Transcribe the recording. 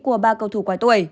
của ba cầu thủ quái tuổi